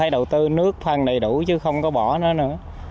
đầu tư nước phân đầy đủ chứ không có bỏ nó nữa